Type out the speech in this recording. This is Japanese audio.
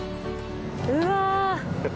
うわ！